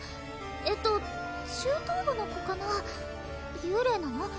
えっと中等部の子かな幽霊なの？